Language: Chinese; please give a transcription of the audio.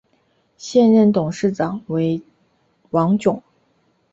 现任董事长为王炯。